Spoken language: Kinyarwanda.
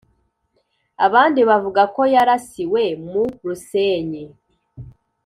abandi bavuga ko yarasiwe mu rusenyi.